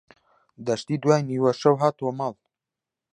دەشتی دوای نیوەشەو هاتەوە ماڵ.